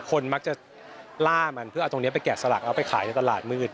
คนมักจะล่ามันเพื่อเอาตรงนี้ไปแกะสลักเอาไปขายในตลาดมืด